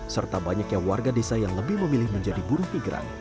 serta banyaknya warga desa yang lebih memilih menjadi burung pigrang